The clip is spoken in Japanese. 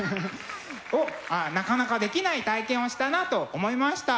なかなかできない体験をしたなと思いました。